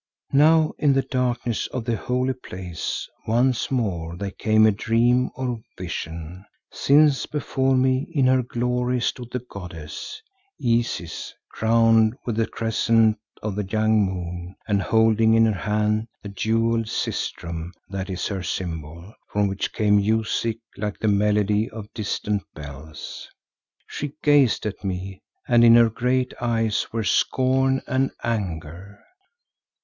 "Now in the darkness of the holy place once more there came a dream or vision, since before me in her glory stood the goddess Isis crowned with the crescent of the young moon and holding in her hand the jewelled sistrum that is her symbol, from which came music like to the melody of distant bells. She gazed at me and in her great eyes were scorn and anger.